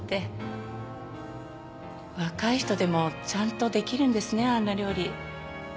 若い人でもちゃんとできるんですねあんな料理。